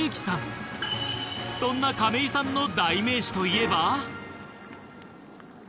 そんな亀井さんの代名詞といえば。